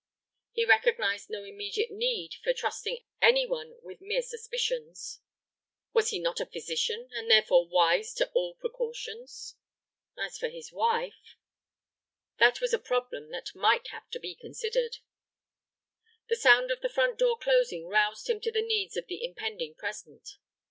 He recognized no immediate need for trusting any one with mere suspicions. Was he not a physician, and therefore wise as to all precautions? As for his wife? That was a problem that might have to be considered. The sound of the front door closing roused him to the needs of the impending present.